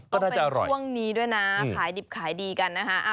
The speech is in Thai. ก็เป็นช่วงนี้ด้วยนะขายดิบขายดีกันนะคะ